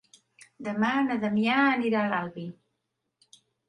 Demà na Damià anirà a l'Albi.